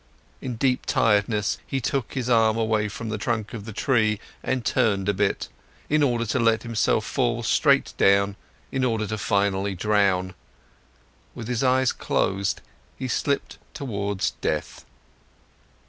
In deep tiredness, he took his arm away from the trunk of the tree and turned a bit, in order to let himself fall straight down, in order to finally drown. With his eyes closed, he slipped towards death.